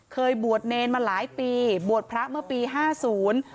เคยบวชเนรมาหลายปีบวชพระเมื่อปีห้าศูนย์